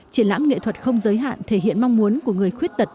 triển lãm nghệ thuật không giới hạn thể hiện mong muốn của người khuyết tật